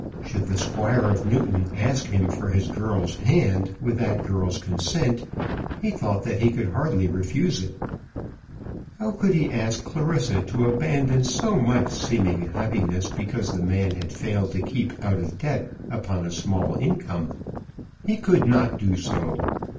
Should the Squire of Newton ask him for his girl's hand with that girl's consent, he thought that he could hardly refuse it. How could he ask Clarissa to abandon so much seeming happiness because the man had failed to keep out of debt upon a small income? He could not do so.